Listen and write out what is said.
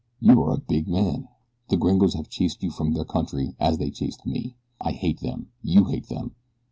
You are a big man. The gringos have chased you from their country as they chased me. I hate them. You hate them.